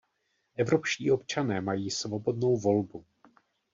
Evropští občané mají svobodnou volbu.